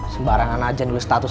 sembarangan aja nulis status